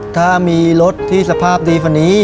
ถ้ามีรถที่สภาพดีกว่านี้